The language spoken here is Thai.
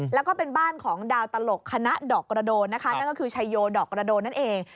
แล้วก็เป็นบ้านของดาวตลกคณะดอกกระโดนนะคะนั่นก็คือชัยโยดอกกระโดนนั่นเอง